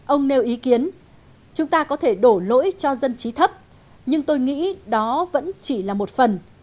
ông nêu ý kiến chúng ta có thể đổ lỗi cho dân trí thấp nhưng tôi nghĩ đó vẫn chỉ là một phần